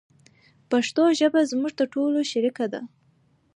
پښتو ژبه زموږ د ټولو شریکه ده.